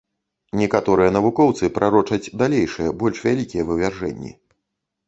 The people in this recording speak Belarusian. Некаторыя навукоўцы прарочаць далейшыя, больш вялікія вывяржэнні.